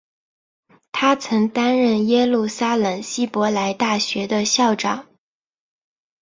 他曾担任耶路撒冷希伯来大学的校长。